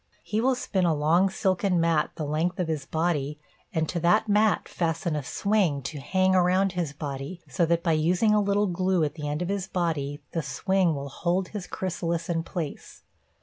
He will spin a long silken mat the length of his body and to that mat fasten a swing to hang around his body, so that by using a little glue at the end of his body the swing will hold his chrysalis in place.